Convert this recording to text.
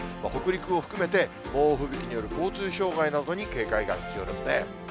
北陸を含めて、猛吹雪による交通障害に警戒が必要ですね。